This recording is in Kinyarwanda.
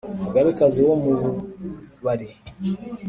Umugabekazi wo mu Mubari.